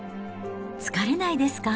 疲れないですか？